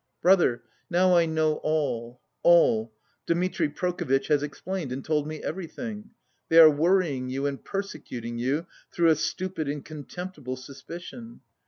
"Brother, now I know all, all. Dmitri Prokofitch has explained and told me everything. They are worrying and persecuting you through a stupid and contemptible suspicion....